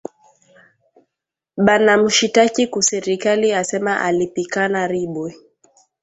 Bana mushitaki ku serikali asema alipikana ribwe